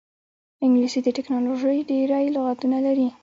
انګلیسي د ټیکنالوژۍ ډېری لغتونه لري